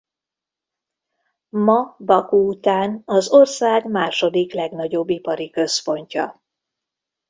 Ma Baku után az ország második legnagyobb ipari központja.